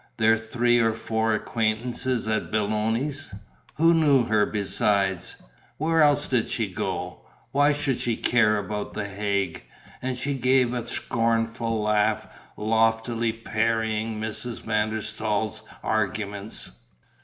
Their three or four acquaintances at Belloni's? Who knew her besides? Where else did she go? Why should she care about the Hague? And she gave a scornful laugh, loftily parrying Mrs. van der Staal's arguments.